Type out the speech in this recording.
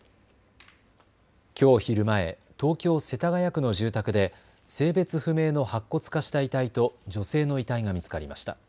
きょう昼前、東京世田谷区の住宅で性別不明の白骨化した遺体と女性の遺体が見つかりました。